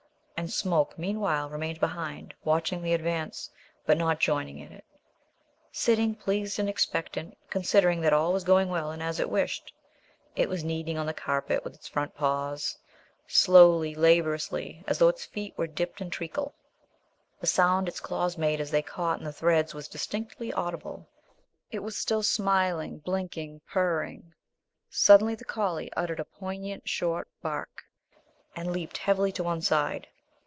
And Smoke, meanwhile, remained behind, watching the advance, but not joining in it; sitting, pleased and expectant, considering that all was going well and as it wished. It was kneading on the carpet with its front paws slowly, laboriously, as though its feet were dipped in treacle. The sound its claws made as they caught in the threads was distinctly audible. It was still smiling, blinking, purring. Suddenly the collie uttered a poignant short bark and leaped heavily to one side.